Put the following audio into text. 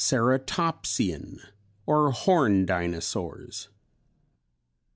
Ceratopsian or Horned Dinosaurs.